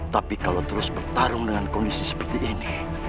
tapi kalau terus bertarung dengan kondisi seperti ini